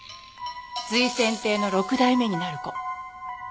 瑞泉亭の６代目になる子。